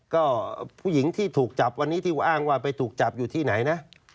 ก็ผู้หญิงที่ถูกจับวันนี้ที่อ้างว่าไปถูกจับอยู่ที่ไหนนะ